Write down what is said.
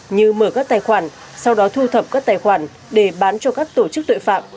như mở các tài khoản sau đó thu thập các tài khoản để bán cho các tổ chức tội phạm